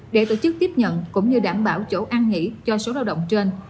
để tổ chức tiếp nhận cũng như đảm bảo chỗ an nghỉ cho số lao động trên